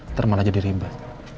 ntar malah jadi ribet